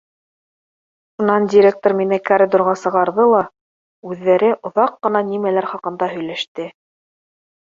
Шунан директор мине коридорға сығарҙы ла, үҙҙәре оҙаҡ ҡына нимәлер хаҡында һөйләште.